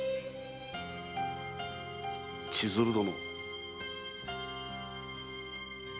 千鶴殿。